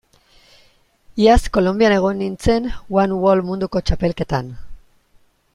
Iaz Kolonbian egon nintzen one wall munduko txapelketan.